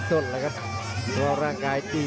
สวัสดิ์นุ่มสตึกชัยโลธสวัสดิ์